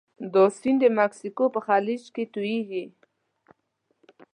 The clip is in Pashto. دا سیند د مکسیکو په خلیج کې تویږي.